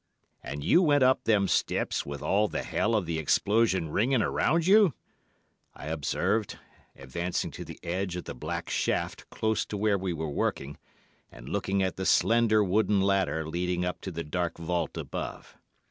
"'And you went up them steps with all the hell of the explosion ringing around you?' I observed, advancing to the edge of the black shaft close to where we were working, and looking at the slender wooden ladder leading up to the dark vault above.